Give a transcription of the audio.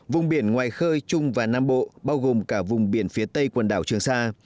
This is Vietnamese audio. vùng biển ngoài khơi trung và nam bộ bao gồm cả vùng biển phía tây quần đảo trường sa